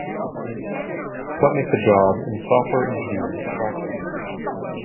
What makes a job in software engineering attractive?